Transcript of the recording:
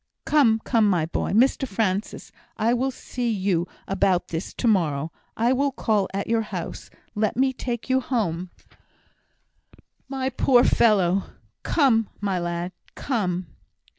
"Come, come! my boy! Mr Francis, I will see you about this to morrow I will call at your house. Let me take you home, my poor fellow. Come, my lad, come!"